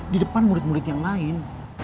di depan murid murid yang lain